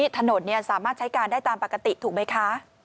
ถนนสามารถใช้การได้ตามปกติถูกไหมคะ